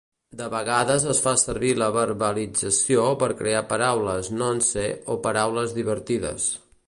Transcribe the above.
De vegades es fa servir la verbalització per crear paraules "nonce" o paraules divertides.